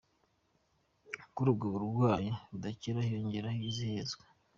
Kuri ubwo burwayi budakira hiyongeraho n’ihezwa.